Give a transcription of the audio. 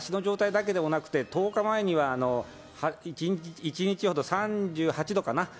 足の状態だけではなく、１０日前には一日３８度かな？